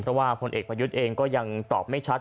เพราะว่าผลเอกประยุทธ์เองก็ยังตอบไม่ชัด